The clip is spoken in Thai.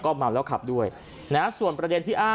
ก็แค่มีเรื่องเดียวให้มันพอแค่นี้เถอะ